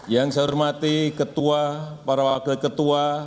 yang saya hormati ketua para wakil ketua